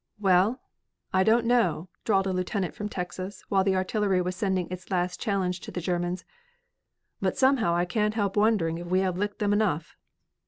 "Well, I don't know," drawled a lieutenant from Texas while the artillery was sending its last challenge to the Germans, "but somehow I can't help wondering if we have licked them enough."